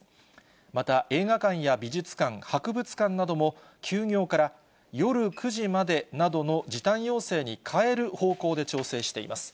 また映画館や美術館、博物館なども、休業から夜９時までなどの時短要請に変える方向で調整しています。